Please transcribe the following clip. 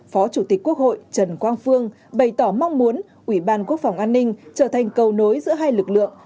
phó chủ tịch quốc hội trần quang phương bày tỏ mong muốn ủy ban quốc phòng an ninh trở thành cầu nối giữa hai lực lượng